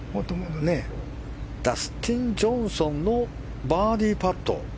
ダスティン・ジョンソンのバーディーパット。